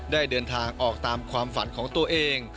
ได้เดินทางออกตามความฝันของตัวเอง